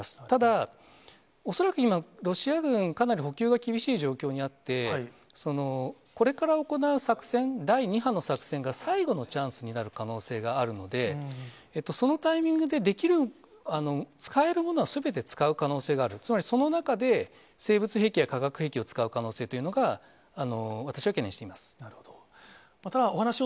ただ、恐らく今、ロシア軍、かなり補給が厳しい状況にあって、これから行う作戦、第２波の作戦が最後のチャンスになる可能性があるので、そのタイミングで使えるものは、すべて使う可能性がある、つまり、その中で、生物兵器や化学兵器を使う可能性というのを、私は懸念しています。